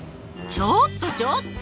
ちょっとちょっと！